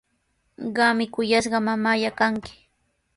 Qami kuyashqa mamallaa kanki.